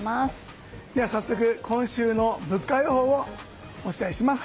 早速、今週の物価予報をお伝えします。